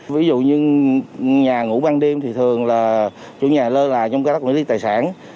ví dụ như nhà ngủ ban đêm thì thường là chủ nhà lơ là trong các đất quỹ lý tài sản